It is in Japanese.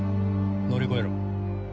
乗り越えろ。